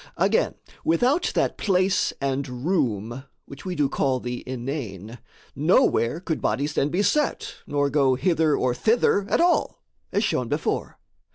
Again, without That place and room, which we do call the inane, Nowhere could bodies then be set, nor go Hither or thither at all as shown before.